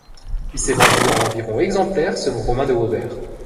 Il s'est vendu à environ exemplaires selon Romain de Waubert.